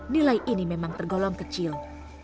nilai ini memang tergolong kecil